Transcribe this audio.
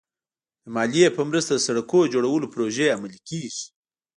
د مالیې په مرسته د سړکونو جوړولو پروژې عملي کېږي.